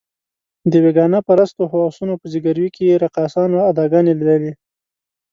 د بېګانه پرستو هوسونو په ځګیروي کې یې رقاصانو اداګانې لیدلې.